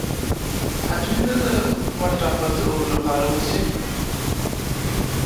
حتمي نه ده حکومت راپرځولو لپاره وشي